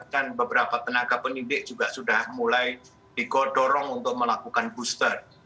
dan beberapa tenaga pendidik juga sudah mulai digodorong untuk melakukan booster